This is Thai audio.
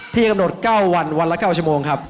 ที่กำหนด๙วันวันละ๙ชั่วโมงครับ